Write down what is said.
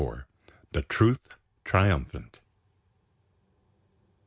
THE TRUTH TRIUMPHANT.